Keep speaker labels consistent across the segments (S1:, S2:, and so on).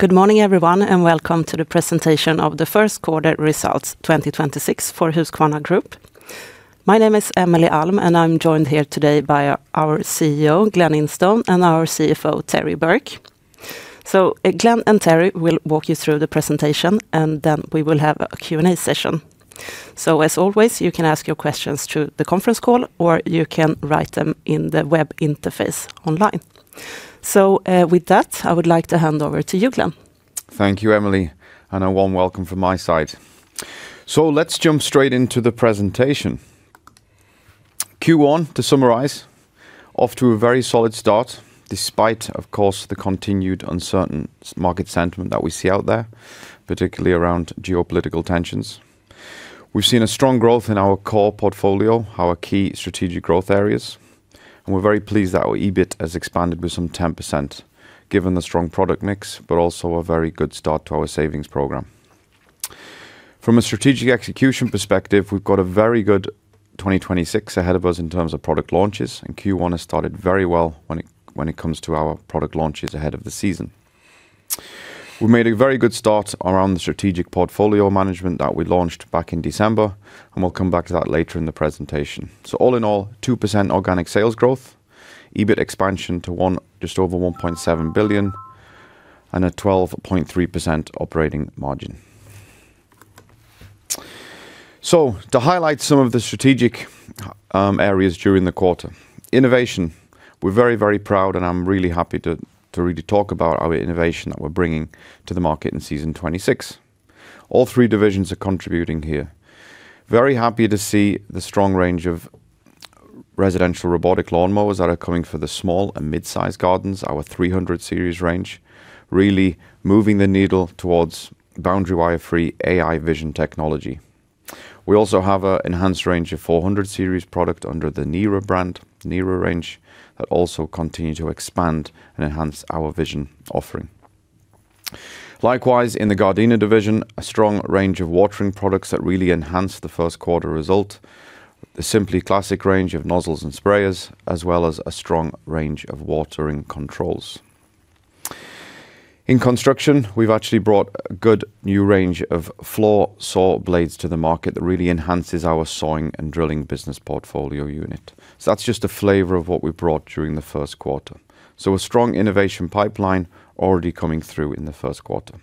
S1: Good morning everyone, and welcome to the presentation of the first quarter results 2026 for Husqvarna Group. My name is Emelie Alm, and I'm joined here today by our CEO, Glen Instone, and our CFO, Terry Burke. Glen and Terry will walk you through the presentation, and then we will have a Q&A session. As always, you can ask your questions through the conference call, or you can write them in the web interface online. With that, I would like to hand over to you, Glen.
S2: Thank you, Emelie, and a warm welcome from my side. Let's jump straight into the presentation. Q1, to summarize, off to a very solid start, despite, of course, the continued uncertain market sentiment that we see out there, particularly around geopolitical tensions. We've seen a strong growth in our core portfolio, our key strategic growth areas, and we're very pleased that our EBIT has expanded with some 10%, given the strong product mix, but also a very good start to our savings program. From a strategic execution perspective, we've got a very good 2026 ahead of us in terms of product launches, and Q1 has started very well when it comes to our product launches ahead of the season. We made a very good start around the strategic portfolio management that we launched back in December, and we'll come back to that later in the presentation. All in all, 2% organic sales growth, EBIT expansion to just over 1.7 billion, and a 12.3% operating margin. To highlight some of the strategic areas during the quarter. Innovation, we're very, very proud and I'm really happy to really talk about our innovation that we're bringing to the market in 2026. All three divisions are contributing here. Very happy to see the strong range of residential robotic lawn mowers that are coming for the small and mid-size gardens. Our 300 series range, really moving the needle towards boundary wire-free AI vision technology. We also have an enhanced range of 400 series product under the NERA brand, NERA range, that also continue to expand and enhance our vision offering. Likewise, in the Gardena division, a strong range of watering products that really enhance the first quarter result. The SimplyClassic range of nozzles and sprayers, as well as a strong range of watering controls. In construction, we've actually brought a good new range of floor saw blades to the market that really enhances our sawing and drilling business portfolio unit. That's just a flavor of what we brought during the first quarter. A strong innovation pipeline already coming through in the first quarter.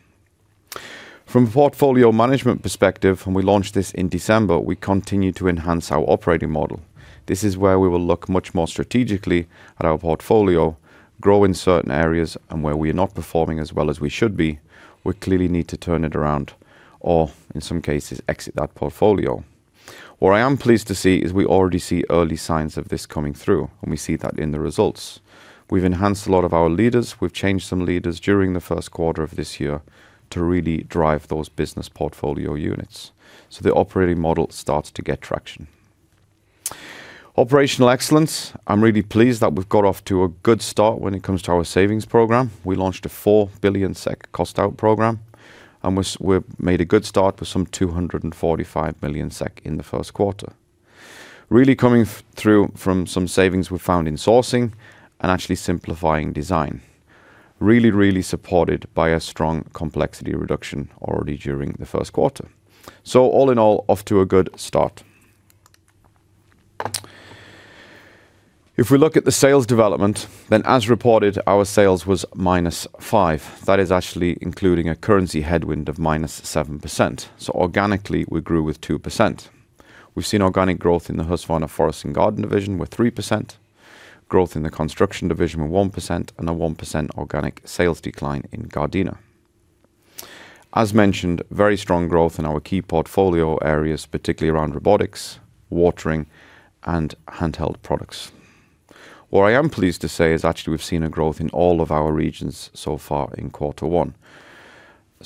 S2: From a portfolio management perspective, when we launched this in December, we continued to enhance our operating model. This is where we will look much more strategically at our portfolio, grow in certain areas, and where we are not performing as well as we should be, we clearly need to turn it around or in some cases exit that portfolio. What I am pleased to see is we already see early signs of this coming through, and we see that in the results. We've enhanced a lot of our leaders. We've changed some leaders during the first quarter of this year to really drive those business portfolio units. The operating model starts to get traction. Operational excellence. I'm really pleased that we've got off to a good start when it comes to our savings program. We launched a 4 billion SEK cost-out program, and we made a good start with some 245 million SEK in the first quarter, really coming through from some savings we found in sourcing and actually simplifying design, really, really supported by a strong complexity reduction already during the first quarter. All in all, off to a good start. If we look at the sales development, then as reported, our sales was -5%. That is actually including a currency headwind of -7%. Organically, we grew with 2%. We've seen organic growth in the Husqvarna Forest & Garden division with 3% growth in the Construction Division with 1%, and a 1% organic sales decline in Gardena. As mentioned, very strong growth in our key portfolio areas, particularly around robotics, watering, and handheld products. What I am pleased to say is actually we've seen a growth in all of our regions so far in quarter one.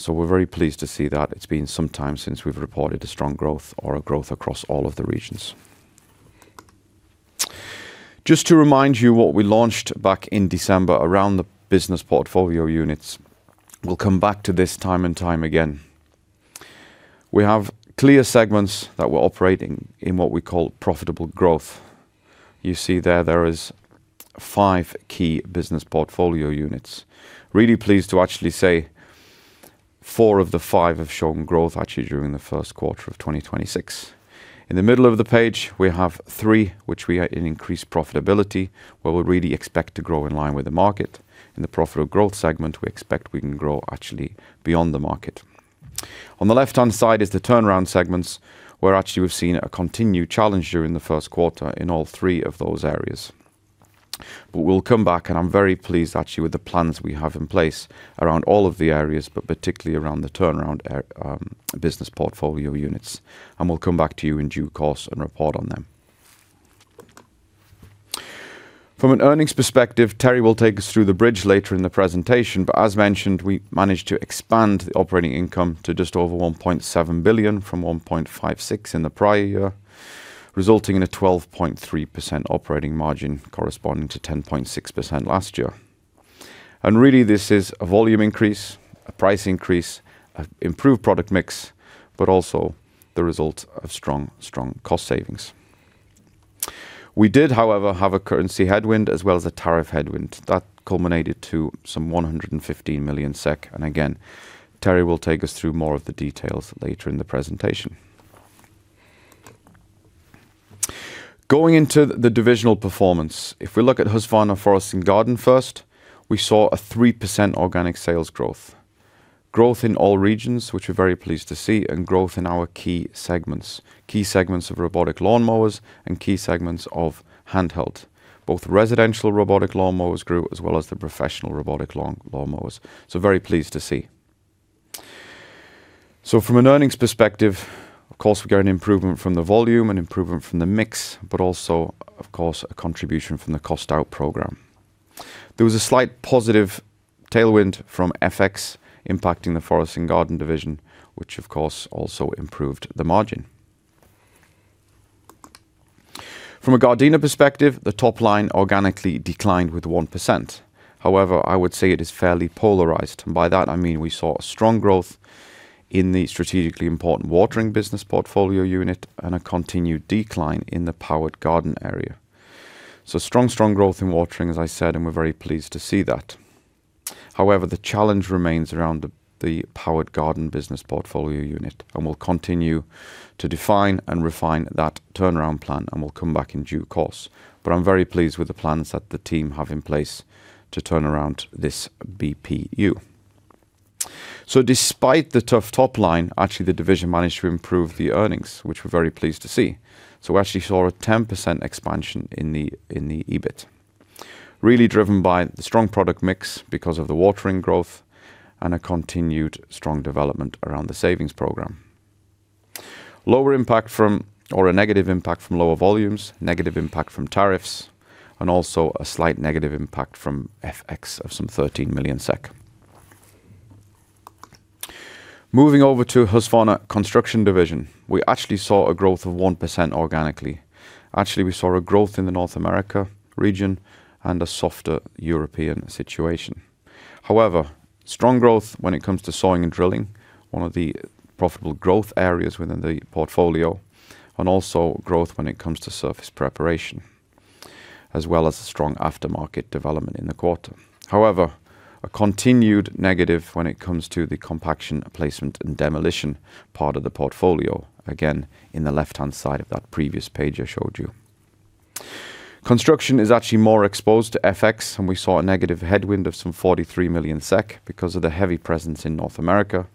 S2: We're very pleased to see that. It's been some time since we've reported a strong growth or a growth across all of the regions. Just to remind you what we launched back in December around the business portfolio units. We'll come back to this time and time again. We have clear segments that we're operating in what we call profitable growth. You see there is five key business portfolio units. Really pleased to actually say four of the five have shown growth actually during the first quarter of 2026. In the middle of the page, we have three, which we're seeing increased profitability, where we really expect to grow in line with the market. In the profitable growth segment, we expect we can grow actually beyond the market. On the left-hand side is the turnaround segments, where actually we've seen a continued challenge during the first quarter in all three of those areas. We'll come back, and I'm very pleased actually with the plans we have in place around all of the areas, but particularly around the turnaround business portfolio units, and we'll come back to you in due course and report on them. From an earnings perspective, Terry will take us through the bridge later in the presentation. As mentioned, we managed to expand the operating income to just over 1.7 billion from 1.56 billion in the prior year, resulting in a 12.3% operating margin corresponding to 10.6% last year. Really this is a volume increase, a price increase, an improved product mix, but also the result of strong cost savings. We did, however, have a currency headwind as well as a tariff headwind that culminated to some 115 million SEK. Again, Terry will take us through more of the details later in the presentation. Going into the divisional performance. If we look at Husqvarna Forest & Garden first, we saw a 3% organic sales growth. Growth in all regions, which we're very pleased to see, and growth in our key segments. Key segments of robotic lawn mowers and key segments of handheld. Both residential robotic lawn mowers grew, as well as the professional robotic lawn mowers. Very pleased to see. From an earnings perspective, of course, we got an improvement from the volume, an improvement from the mix, but also, of course, a contribution from the cost-out program. There was a slight positive tailwind from FX impacting the Forest & Garden division, which of course also improved the margin. From a Gardena perspective, the top line organically declined with 1%. However, I would say it is fairly polarized. By that I mean we saw a strong growth in the strategically important watering business portfolio unit and a continued decline in the powered garden area. Strong growth in watering, as I said, and we're very pleased to see that. However, the challenge remains around the Powered Garden business portfolio unit, and we'll continue to define and refine that turnaround plan. We'll come back in due course. I'm very pleased with the plans that the team have in place to turn around this BPU. Despite the tough top line, actually the division managed to improve the earnings, which we're very pleased to see. We actually saw a 10% expansion in the EBIT, really driven by the strong product mix because of the watering growth and a continued strong development around the savings program. A negative impact from lower volumes, negative impact from tariffs, and also a slight negative impact from FX of some 13 million SEK. Moving over to Husqvarna Construction Division, we actually saw a growth of 1% organically. Actually, we saw a growth in the North America region and a softer European situation. However, strong growth when it comes to sawing and drilling, one of the profitable growth areas within the portfolio, and also growth when it comes to surface preparation, as well as a strong aftermarket development in the quarter. However, a continued negative when it comes to the compaction, placement, and demolition part of the portfolio. Again, in the left-hand side of that previous page I showed you. Construction is actually more exposed to FX, and we saw a negative headwind of some 43 million SEK because of the heavy presence in North America,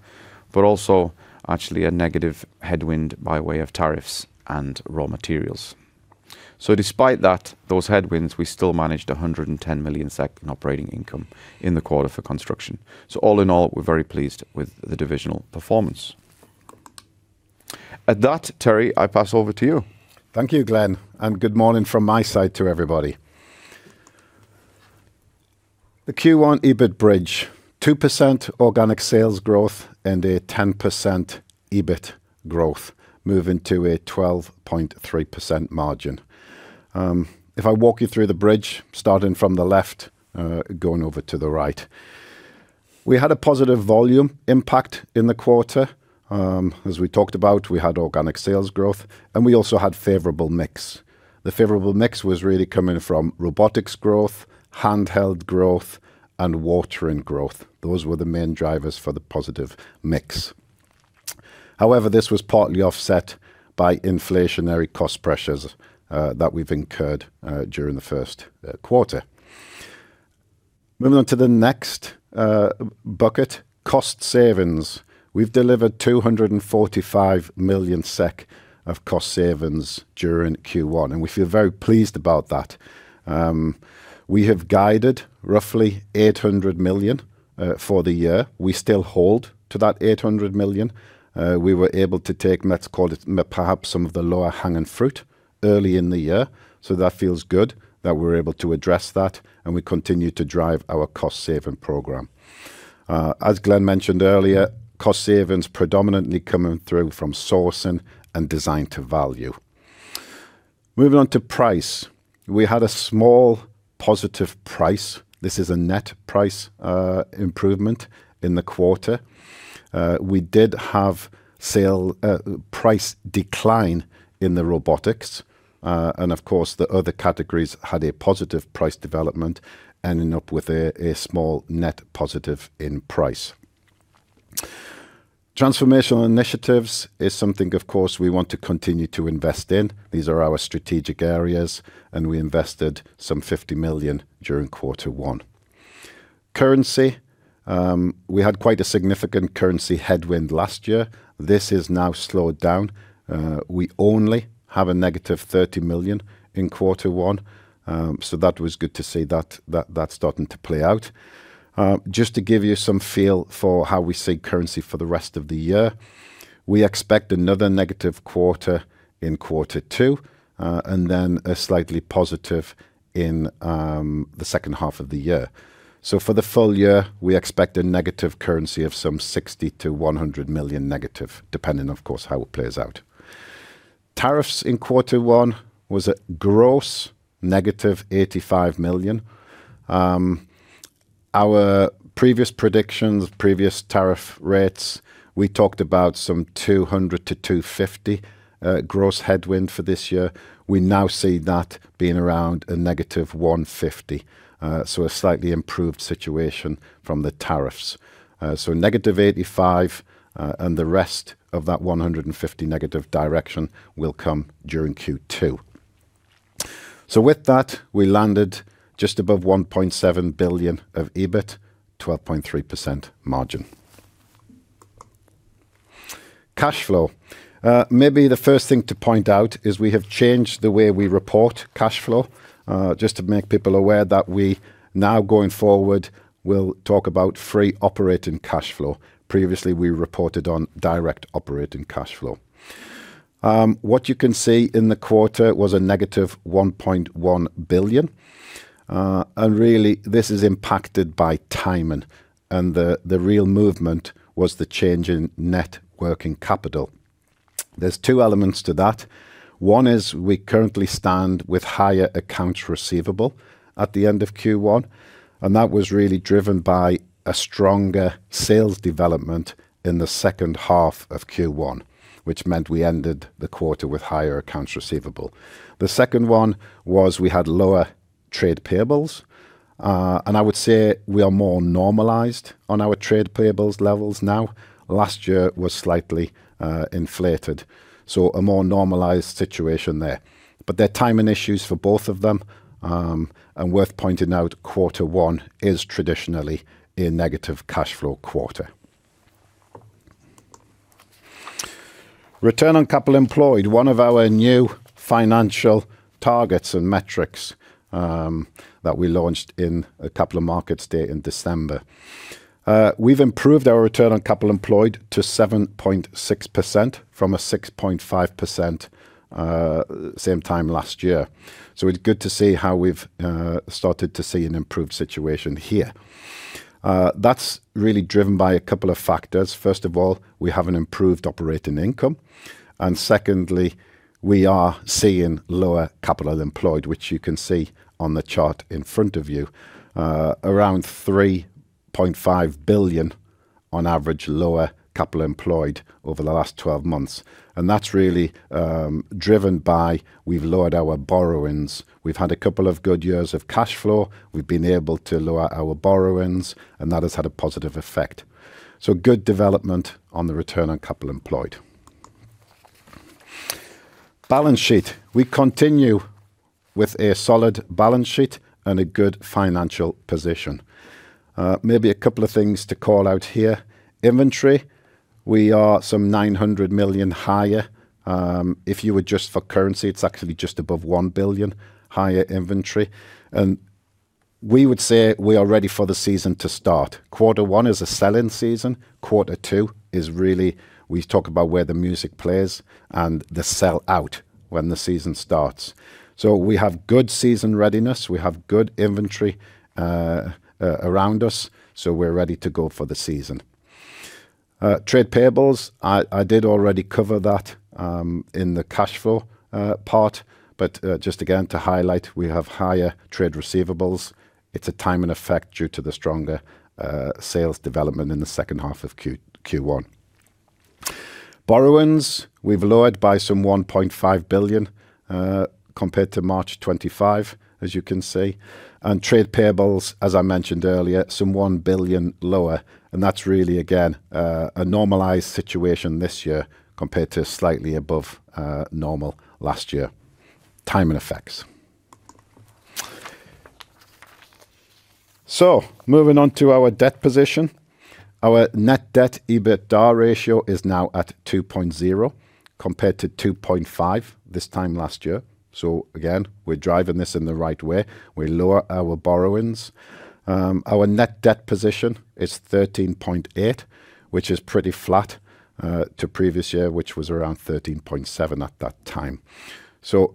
S2: but also actually a negative headwind by way of tariffs and raw materials. Despite those headwinds, we still managed 110 million SEK in operating income in the quarter for construction. All in all, we're very pleased with the divisional performance. At that, Terry, I pass over to you.
S3: Thank you, Glen, and good morning from my side to everybody. The Q1 EBIT bridge, 2% organic sales growth and a 10% EBIT growth, moving to a 12.3% margin. If I walk you through the bridge, starting from the left, going over to the right. We had a positive volume impact in the quarter. As we talked about, we had organic sales growth, and we also had favorable mix. The favorable mix was really coming from robotics growth, handheld growth, and watering growth. Those were the main drivers for the positive mix. However, this was partly offset by inflationary cost pressures that we've incurred during the first quarter. Moving on to the next bucket, cost savings. We've delivered 245 million SEK of cost savings during Q1, and we feel very pleased about that. We have guided roughly 800 million for the year. We still hold to that 800 million. We were able to take, let's call it perhaps some of the lower hanging fruit early in the year. That feels good that we're able to address that, and we continue to drive our cost-saving program. As Glen mentioned earlier, cost savings predominantly coming through from sourcing and design to value. Moving on to price. We had a small positive price. This is a net price improvement in the quarter. We did have price decline in the robotics. Of course, the other categories had a positive price development, ending up with a small net positive in price. Transformational initiatives is something, of course, we want to continue to invest in. These are our strategic areas, and we invested some 50 million during quarter one. Currency. We had quite a significant currency headwind last year. This has now slowed down. We only have a -30 million in quarter one. That was good to see that starting to play out. Just to give you some feel for how we see currency for the rest of the year, we expect another negative quarter in quarter two, and then a slightly positive in the second half of the year. For the full year, we expect a negative currency of some -60 million to -100 million, depending, of course, how it plays out. Tariffs in quarter one was a gross -85 million. Our previous predictions, previous tariff rates, we talked about some 200 million-250 million gross headwind for this year. We now see that being around a -150 million. A slightly improved situation from the tariffs. -85 million and the rest of that 150 million negative direction will come during Q2. With that, we landed just above 1.7 billion of EBIT, 12.3% margin. Cash flow. Maybe the first thing to point out is we have changed the way we report cash flow, just to make people aware that we now going forward will talk about free operating cash flow. Previously, we reported on direct operating cash flow. What you can see in the quarter was a -1.1 billion. Really this is impacted by timing and the real movement was the change in net working capital. There's two elements to that. One is we currently stand with higher accounts receivable at the end of Q1, and that was really driven by a stronger sales development in the second half of Q1, which meant we ended the quarter with higher accounts receivable. The second one was we had lower trade payables. I would say we are more normalized on our trade payables levels now. Last year was slightly inflated. A more normalized situation there. There are timing issues for both of them. Worth pointing out, quarter one is traditionally a negative cash flow quarter. Return on capital employed, one of our new financial targets and metrics that we launched in a Capital Markets Day in December. We've improved our return on capital employed to 7.6% from 6.5% the same time last year. It's good to see how we've started to see an improved situation here. That's really driven by a couple of factors. First of all, we have an improved operating income. Secondly, we are seeing lower capital employed, which you can see on the chart in front of you, around 3.5 billion on average lower capital employed over the last 12 months. That's really driven by we've lowered our borrowings. We've had a couple of good years of cash flow. We've been able to lower our borrowings, and that has had a positive effect. Good development on the return on capital employed. Balance sheet. We continue with a solid balance sheet and a good financial position. Maybe a couple of things to call out here. Inventory, we are some 900 million higher. If you adjust for currency, it's actually just above 1 billion higher inventory. We would say we are ready for the season to start. Quarter one is a sell-in season. Quarter two is really we talk about where the music plays and the sell out when the season starts. We have good season readiness, we have good inventory around us, so we're ready to go for the season. Trade payables. I did already cover that in the cash flow part, but just again to highlight, we have higher trade receivables. It's a timing effect due to the stronger sales development in the second half of Q1. Borrowings, we've lowered by 1.5 billion, compared to March 2025, as you can see. Trade payables, as I mentioned earlier, 1 billion lower. That's really, again, a normalized situation this year compared to slightly above normal last year. Timing effects. Moving on to our debt position. Our Net debt/EBITDA ratio is now at 2.0x compared to 2.5x this time last year. Again, we're driving this in the right way. We lower our borrowings. Our net-debt position is 13.8 billion, which is pretty flat to previous year, which was around 13.7 billion at that time.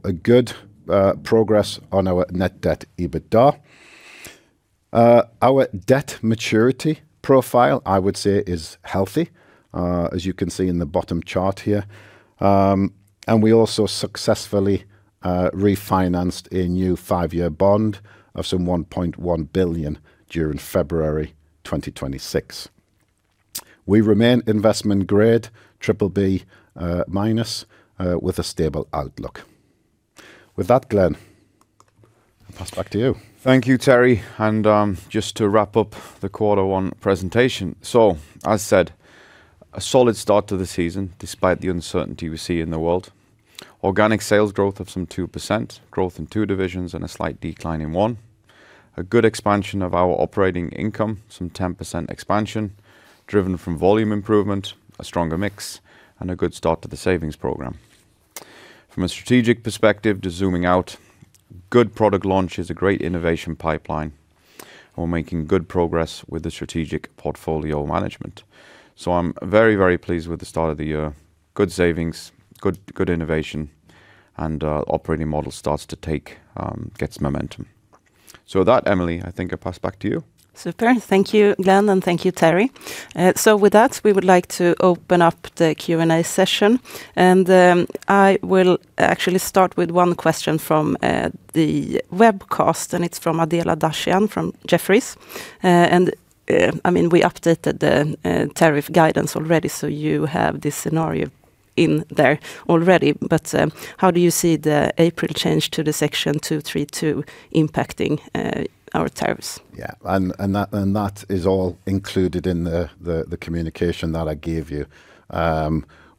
S3: A good progress on our Net debt/EBITDA. Our debt maturity profile, I would say is healthy, as you can see in the bottom chart here. We also successfully refinanced a new five-year bond of some 1.1 billion during February 2026. We remain investment grade BBB- with a stable outlook. With that, Glen, I pass back to you.
S2: Thank you, Terry, and just to wrap up the quarter one presentation. As said, a solid start to the season despite the uncertainty we see in the world. Organic sales growth of some 2%, growth in two divisions and a slight decline in one. A good expansion of our operating income, some 10% expansion driven from volume improvement, a stronger mix, and a good start to the savings program. From a strategic perspective to zooming out, good product launches, a great innovation pipeline. We're making good progress with the strategic portfolio management. I'm very, very pleased with the start of the year. Good savings, good innovation, and our operating model starts to take, gets momentum. With that, Emelie, I think I'll pass back to you.
S1: Super. Thank you, Glen, and thank you, Terry. With that, we would like to open up the Q&A session, and I will actually start with one question from the webcast, and it's from Adela Dashian from Jefferies. We updated the tariff guidance already, so you have this scenario in there already, but how do you see the April change to the Section 232 impacting our tariffs?
S3: Yeah. That is all included in the communication that I gave you.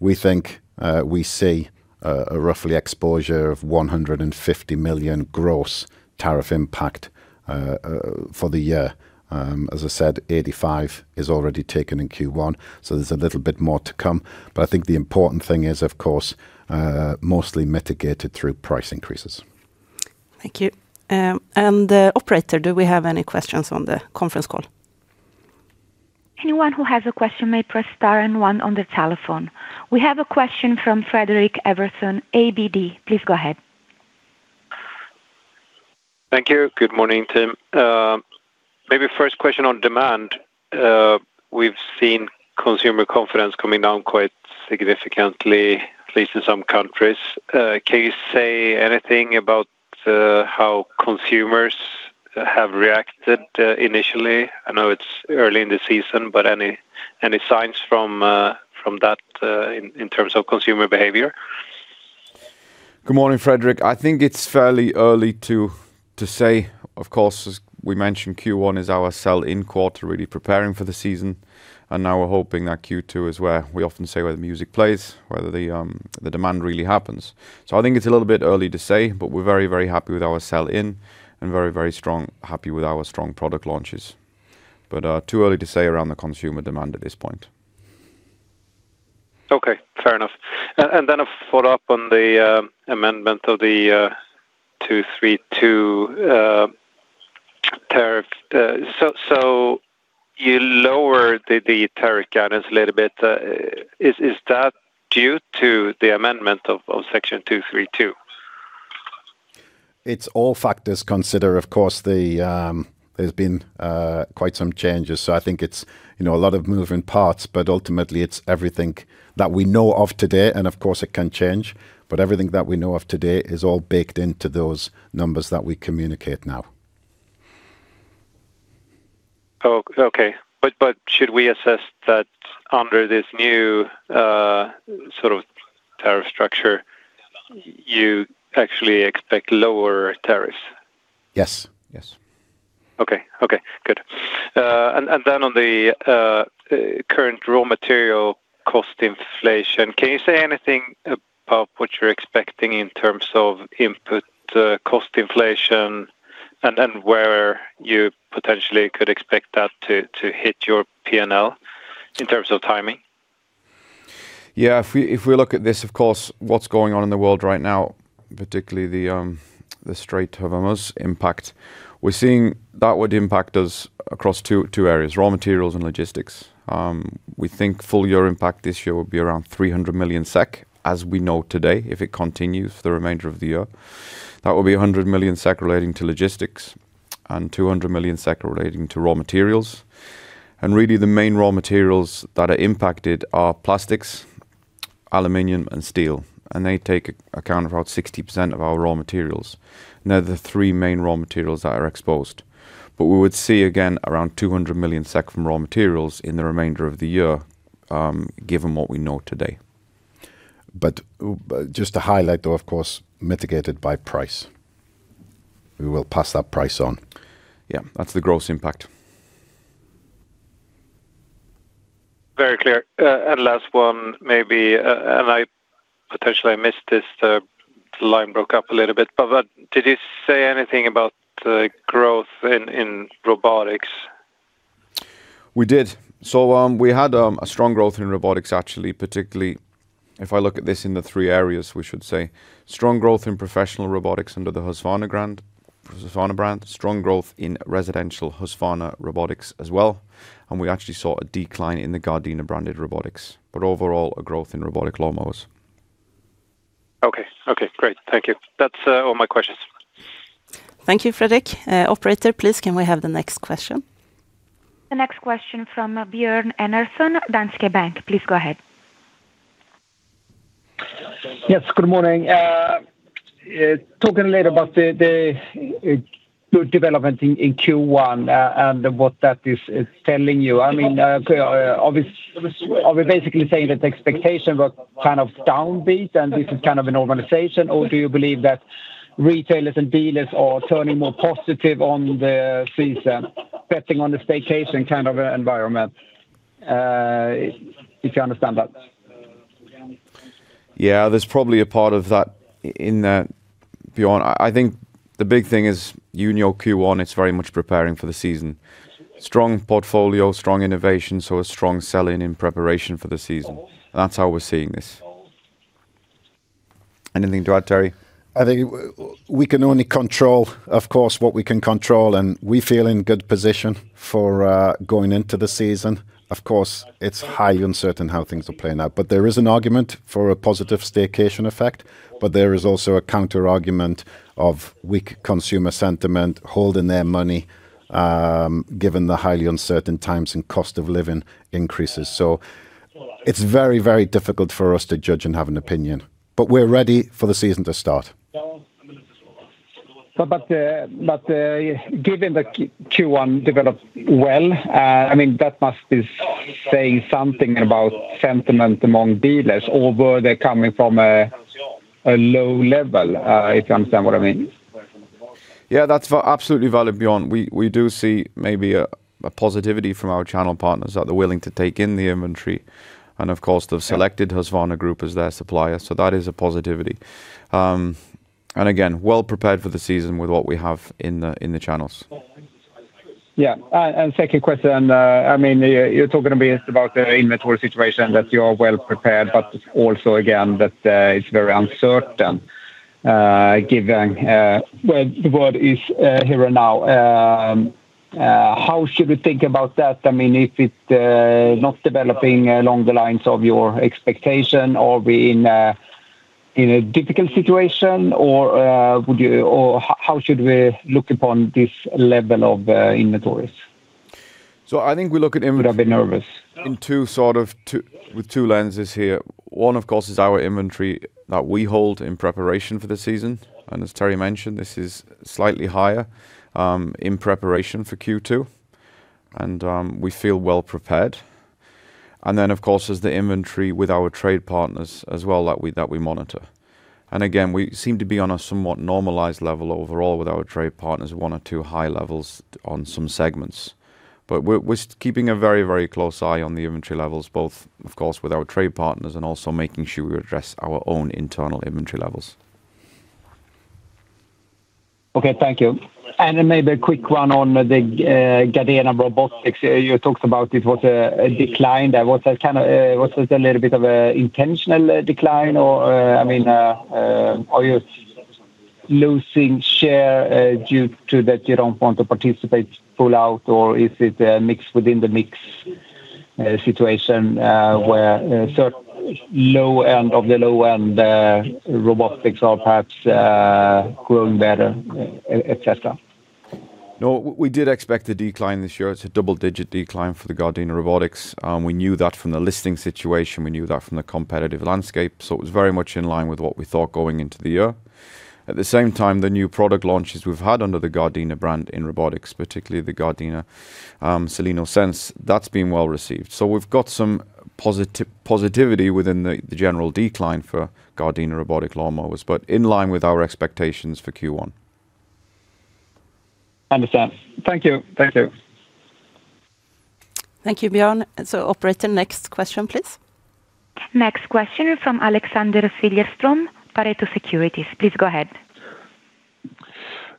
S3: We think we see a rough exposure of 150 million gross tariff impact for the year. As I said, 85 million is already taken in Q1, so there's a little bit more to come. I think the important thing is, of course, mostly mitigated through price increases.
S1: Thank you. Operator, do we have any questions on the conference call?
S4: Anyone who has a question may press star and one on the telephone. We have a question from Fredrik Ivarsson, ABG. Please go ahead.
S5: Thank you. Good morning team. Maybe first question on demand. We've seen consumer confidence coming down quite significantly, at least in some countries. Can you say anything about how consumers have reacted initially? I know it's early in the season, but any signs from that in terms of consumer behavior?
S2: Good morning, Fredrik. I think it's fairly early to say. Of course, as we mentioned, Q1 is our sell-in quarter, really preparing for the season. Now we're hoping that Q2 is where we often say the music plays, where the demand really happens. I think it's a little bit early to say, but we're very happy with our sell-in and very strong, happy with our strong product launches. Too early to say around the consumer demand at this point.
S5: Okay, fair enough. A follow-up on the amendment of the 232 tariff. You lowered the tariff guidance a little bit. Is that due to the amendment of Section 232?
S3: All factors considered. Of course, there's been quite some changes, so I think it's a lot of moving parts. Ultimately, it's everything that we know of today, and of course it can change, but everything that we know of today is all baked into those numbers that we communicate now.
S5: Should we assess that under this new sort of tariff structure, you actually expect lower tariffs?
S3: Yes.
S5: Okay, good. On the current raw material cost inflation, can you say anything about what you're expecting in terms of input cost inflation, and then where you potentially could expect that to hit your P&L in terms of timing?
S2: Yeah, if we look at this, of course, what's going on in the world right now, particularly the Strait of Hormuz impact, we're seeing that would impact us across two areas, raw materials and logistics. We think full year impact this year will be around 300 million SEK, as we know today, if it continues for the remainder of the year. That will be 100 million SEK relating to logistics and 200 million SEK relating to raw materials. Really the main raw materials that are impacted are plastics, aluminum, and steel, and they account for about 60% of our raw materials. The three main raw materials that are exposed, we would see again around 200 million SEK from raw materials in the remainder of the year, given what we know today.
S3: Just to highlight, though, of course, mitigated by price. We will pass that price on.
S2: Yeah, that's the gross impact.
S5: Very clear. Last one, maybe, and I potentially missed this, the line broke up a little bit, but did you say anything about the growth in robotics?
S2: We did. We had a strong growth in robotics actually, particularly if I look at this in the three areas, we should say strong growth in professional robotics under the Husqvarna brand, strong growth in residential Husqvarna robotics as well, and we actually saw a decline in the Gardena branded robotics, but overall, a growth in robotic lawn mowers.
S5: Okay, great. Thank you. That's all my questions.
S1: Thank you, Fredrik. Operator, please, can we have the next question?
S4: The next question from Björn Enarson, Danske Bank. Please go ahead.
S6: Yes, good morning. Talking a little about the development in Q1 and what that is telling you. Are we basically saying that the expectation was kind of downbeat and this is kind of a normalization, or do you believe that retailers and dealers are turning more positive on the season, betting on the staycation kind of environment? If you understand that.
S2: Yeah, there's probably a part of that in that, Björn. I think the big thing is you know Q1, it's very much preparing for the season. Strong portfolio, strong innovation, so a strong sell-in in preparation for the season. That's how we're seeing this. Anything to add, Terry?
S3: I think we can only control, of course, what we can control, and we feel in good position for going into the season. Of course, it's highly uncertain how things will play out, but there is an argument for a positive staycation effect, but there is also a counterargument of weak consumer sentiment holding their money, given the highly uncertain times and cost of living increases. It's very difficult for us to judge and have an opinion. We're ready for the season to start.
S6: Given that Q1 developed well, I think that must be saying something about sentiment among dealers, although they're coming from a low level, if you understand what I mean.
S2: Yeah, that's absolutely valid, Björn. We do see maybe a positivity from our channel partners, that they're willing to take in the inventory. Of course, they've selected Husqvarna Group as their supplier, so that is a positivity. Again, well prepared for the season with what we have in the channels.
S6: Yeah. Second question. You're talking to me about the inventory situation, that you are well prepared, but also again, that it's very uncertain, given where the world is here and now. How should we think about that? If it's not developing along the lines of your expectation, are we in a difficult situation or how should we look upon this level of inventories?
S2: I think we look at inventory.
S6: A bit nervous.
S2: With two lenses here. One, of course, is our inventory that we hold in preparation for the season. As Terry mentioned, this is slightly higher, in preparation for Q2. We feel well prepared. Of course, is the inventory with our trade partners as well that we monitor. Again, we seem to be on a somewhat normalized level overall with our trade partners, one or two high levels on some segments. We're keeping a very close eye on the inventory levels, both of course with our trade partners and also making sure we address our own internal inventory levels.
S6: Okay. Thank you. Maybe a quick one on the Gardena robotics. You talked about it was a decline there. Was it a little bit of a intentional decline? Are you losing share due to that you don't want to participate full out? Is it a mix within the mix situation, where certain low end of the low end robotics are perhaps growing better, et cetera?
S2: No, we did expect a decline this year. It's a double-digit decline for the Gardena robotics. We knew that from the listing situation. We knew that from the competitive landscape. It was very much in line with what we thought going into the year. At the same time, the new product launches we've had under the Gardena brand in robotics, particularly the Gardena SILENO sense, that's been well received. We've got some positivity within the general decline for Gardena robotic lawn mowers, but in line with our expectations for Q1.
S6: Understand. Thank you.
S1: Thank you, Björn. Operator, next question, please.
S4: Next question from Alexander Fellerström, Pareto Securities. Please go ahead.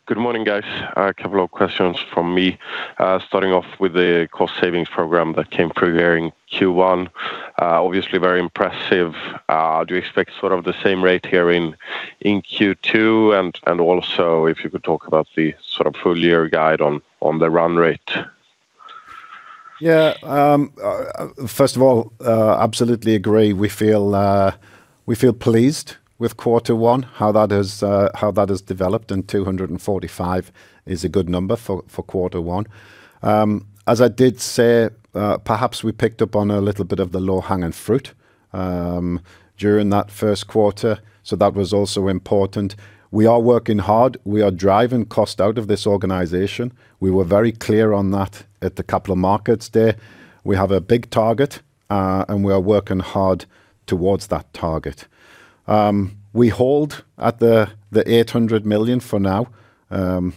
S7: Good morning, guys. A couple of questions from me. Starting off with the cost savings program that came through during Q1. Obviously very impressive. Do you expect sort of the same rate here in Q2? If you could talk about the sort of full-year guide on the run-rate.
S3: Yeah. First of all, absolutely agree. We feel pleased with quarter one, how that has developed, and 245 million is a good number for quarter one. As I did say, perhaps we picked up on a little bit of the low-hanging fruit during that first quarter, so that was also important. We are working hard. We are driving cost out of this organization. We were very clear on that at the Capital Markets Day. We have a big target, and we are working hard towards that target. We hold at the 800 million for now.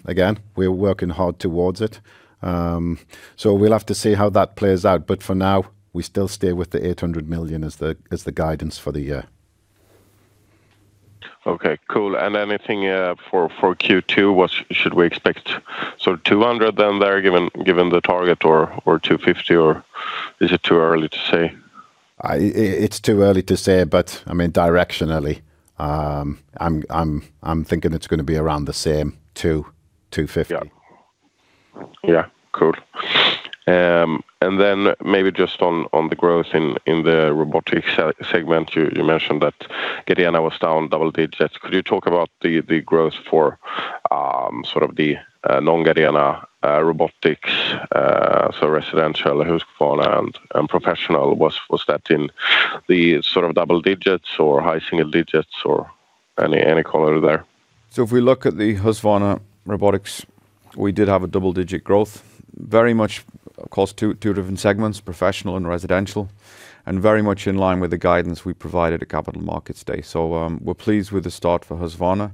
S3: Again, we are working hard towards it. We'll have to see how that plays out, but for now, we still stay with the 800 million as the guidance for the year.
S7: Okay, cool. Anything for Q2? What should we expect? 200 milion then there, given the target, or 250 million, or is it too early to say?
S3: It's too early to say, but directionally, I'm thinking it's going to be around the same, 200 million, 250 millon.
S7: Yeah. Cool. Maybe just on the growth in the robotics segment. You mentioned that Gardena was down double digits. Could you talk about the growth for sort of the non-Gardena robotics, so residential Husqvarna and professional? Was that in the sort of double digits or high single digits or any color there?
S2: If we look at the Husqvarna robotics, we did have a double-digit growth, very much, of course, two different segments, professional and residential, and very much in line with the guidance we provided at Capital Markets Day. We're pleased with the start for Husqvarna.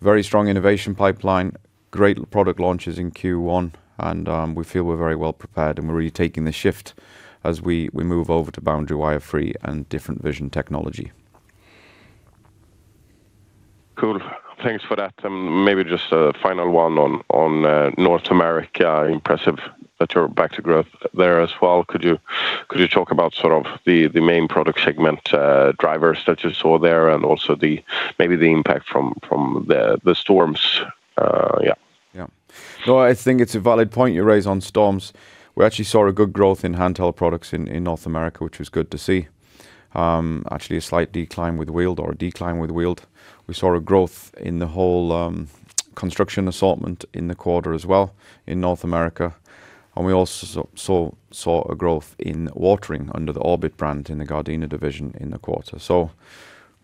S2: Very strong innovation pipeline, great product launches in Q1, and we feel we're very well prepared and we're really taking the shift as we move over to boundary wire-free and different vision technology.
S7: Cool. Thanks for that. Maybe just a final one on North America. Impressive back to growth there as well. Could you talk about the main product segment drivers that you saw there and also maybe the impact from the storms? Yeah.
S2: Yeah. No, I think it's a valid point you raise on storms. We actually saw a good growth in handheld products in North America, which was good to see. Actually, a decline with wheeled. We saw a growth in the whole construction assortment in the quarter as well in North America, and we also saw a growth in watering under the Orbit brand in the Gardena division in the quarter.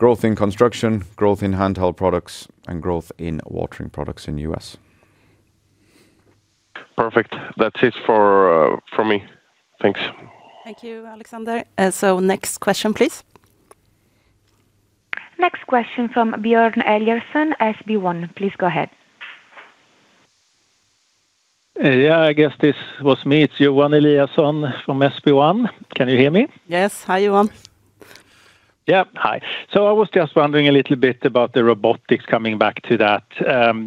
S2: Growth in construction, growth in handheld products, and growth in watering products in U.S.
S7: Perfect. That's it from me. Thanks.
S1: Thank you, Alexander. Next question, please.
S4: Next question from Björn Eliasson, SB1. Please go ahead.
S8: Yeah, I guess this was me. It's Johan Eliason from SB1. Can you hear me?
S1: Yes. Hi, Johan.
S8: Yeah. Hi. I was just wondering a little bit about the robotics coming back to that.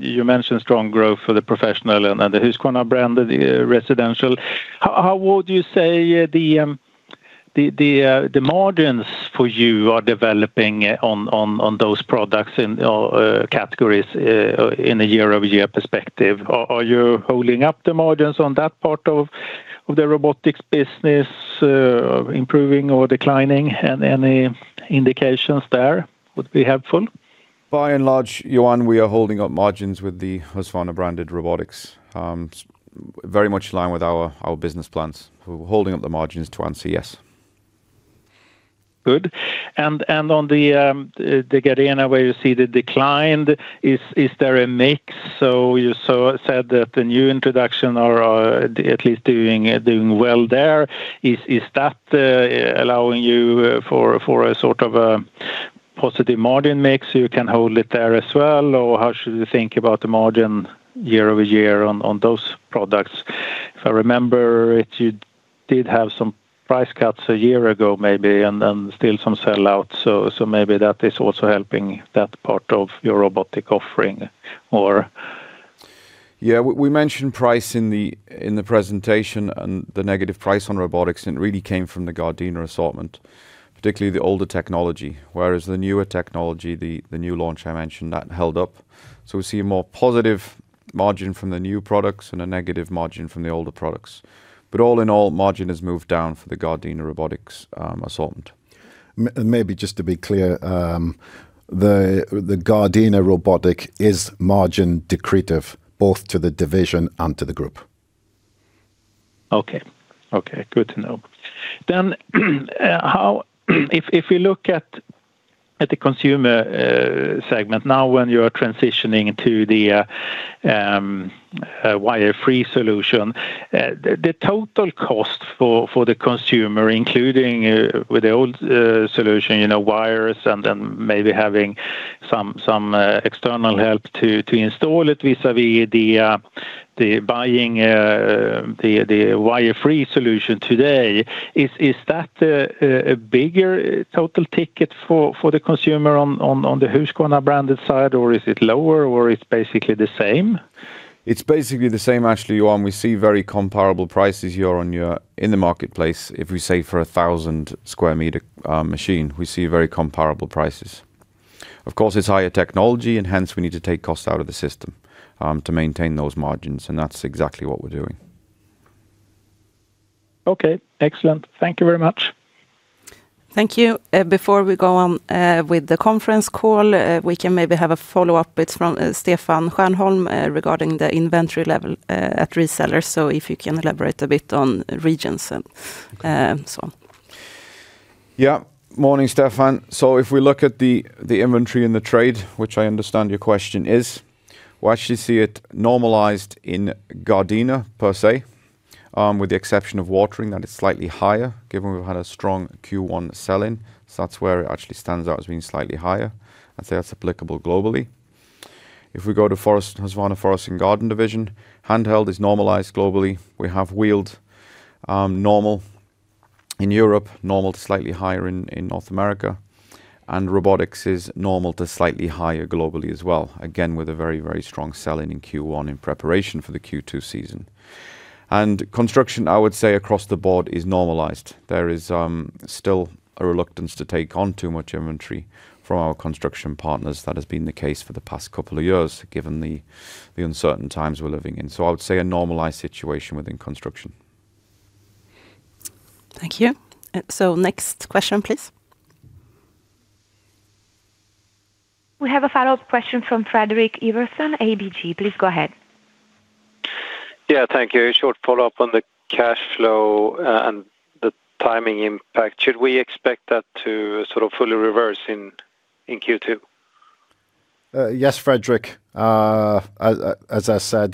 S8: You mentioned strong growth for the professional and the Husqvarna brand, the residential. How would you say the margins for you are developing on those products in categories in a year-over-year perspective? Are you holding up the margins on that part of the robotics business? Improving or declining? And any indications there would be helpful.
S2: By and large, Johan, we are holding up margins with the Husqvarna branded robotics. Very much in line with our business plans. We're holding up the margins to answer, yes.
S8: Good. On the Gardena where you see the decline, is there a mix? So you said that the new introduction are at least doing well there. Is that allowing you for a sort of a positive margin mix, you can hold it there as well? Or how should we think about the margin year-over-year on those products? If I remember it, you did have some price cuts a year ago maybe and then still some sell out, so maybe that is also helping that part of your robotic offering.
S2: Yeah. We mentioned price in the presentation, and the negative price on robotics, and it really came from the Gardena assortment, particularly the older technology. Whereas the newer technology, the new launch I mentioned, that held up. We see a more positive margin from the new products and a negative margin from the older products. All in all, margin has moved down for the Gardena robotics assortment.
S3: Maybe just to be clear, the Gardena robotic is margin accretive both to the division and to the group.
S8: Okay. Good to know. If we look at the consumer segment now when you are transitioning to the wire-free solution, the total cost for the consumer, including with the old solution, wires, and then maybe having some external help to install it vis-a-vis the buying the wire-free solution today, is that a bigger total ticket for the consumer on the Husqvarna branded side, or is it lower, or it's basically the same?
S2: It's basically the same, actually, Johan. We see very comparable prices year on year in the marketplace. If we say for a 1,000 sqm machine, we see very comparable prices. Of course, it's higher technology, and hence we need to take costs out of the system to maintain those margins, and that's exactly what we're doing.
S8: Okay. Excellent. Thank you very much.
S1: Thank you. Before we go on with the conference call, we can maybe have a follow-up. It's from Stefan Stjernholm regarding the inventory level at resellers. If you can elaborate a bit on regions and so on.
S2: Yeah. Morning, Stefan. If we look at the inventory in the trade, which I understand your question is, we actually see it normalized in Gardena per se, with the exception of watering, that is slightly higher given we've had a strong Q1 sell-in. That's where it actually stands out as being slightly higher. I'd say that's applicable globally. If we go to Husqvarna Forest & Garden division, handheld is normalized globally. We have wheeled, normal in Europe, normal to slightly higher in North America, and robotics is normal to slightly higher globally as well, again, with a very, very strong sell-in in Q1 in preparation for the Q2 season. Construction, I would say across the board is normalized. There is still a reluctance to take on too much inventory from our Construction partners. That has been the case for the past couple of years, given the uncertain times we're living in. I would say a normalized situation within construction.
S1: Thank you. Next question, please.
S4: We have a follow-up question from Fredrik Ivarsson, ABG. Please go ahead.
S5: Yeah, thank you. A short follow-up on the cash flow and the timing impact. Should we expect that to sort of fully reverse in Q2?
S3: Yes, Fredrik. As I said,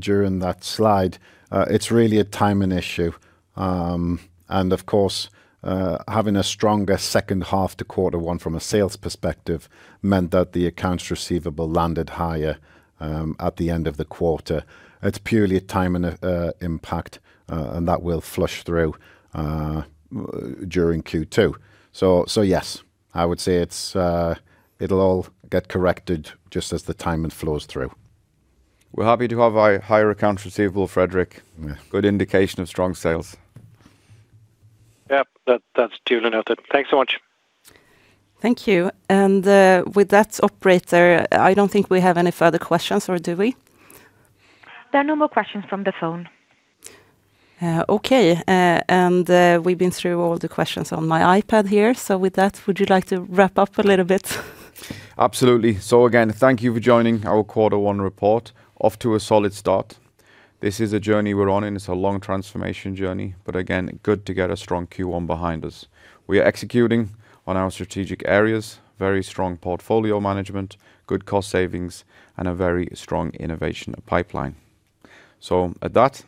S3: during that slide, it's really a timing issue. Of course, having a stronger second half to quarter one from a sales perspective meant that the accounts receivable landed higher at the end of the quarter. It's purely a timing impact, and that will flush through during Q2. Yes, I would say it'll all get corrected just as the timing flows through.
S2: We're happy to have a higher accounts receivable, Fredrik. Good indication of strong sales.
S5: Yep. That's duly noted. Thanks so much.
S1: Thank you. With that, operator, I don't think we have any further questions or do we?
S4: There are no more questions from the phone.
S1: Okay, we've been through all the questions on my iPad here. With that, would you like to wrap up a little bit?
S2: Absolutely. Again, thank you for joining our quarter one report. Off to a solid start. This is a journey we're on, and it's a long transformation journey, but again, good to get a strong Q1 behind us. We are executing on our strategic areas, very strong portfolio management, good cost savings, and a very strong innovation pipeline. At that,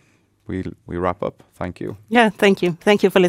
S2: we wrap up. Thank you.
S1: Yeah. Thank you. Thank you for listening.